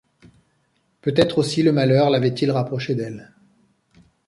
Peut-être aussi le malheur l’avait-il rapproché d’elle.